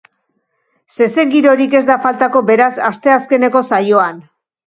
Zezen girorik ez da faltako beraz, asteazkeneko saioan.